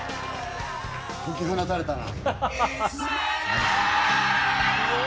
解き放たれたな。